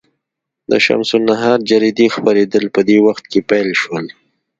د شمس النهار جریدې خپرېدل په دې وخت کې پیل شول.